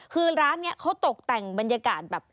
คือร้านนี้เขาตกแต่งบรรยากาศแบบ